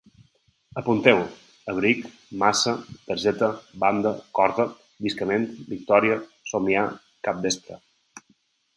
Apunteu: abric, massa, targeta, banda, corda, lliscament, victòria, somiar, capvespre